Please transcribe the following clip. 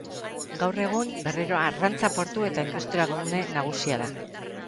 Gaur egun, berriro arrantza portu eta industriagune nagusia da.